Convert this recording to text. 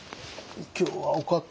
今日はおかか。